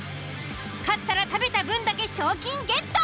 勝ったら食べた分だけ賞金ゲット。